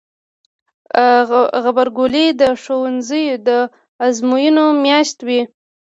غبرګولی د ښوونځیو د ازموینو میاشت وي.